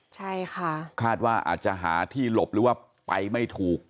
ใช่ค่ะคาดว่าอาจจะหาที่หลบหรือว่าไปไม่ถูก